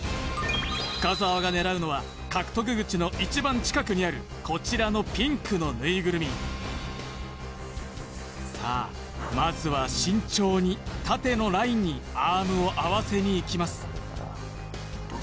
深澤が狙うのは獲得口の一番近くにあるこちらのピンクのぬいぐるみさあまずは慎重に縦のラインにアームを合わせにいきます